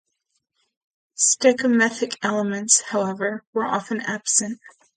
Stichomythic elements, however, were often absent.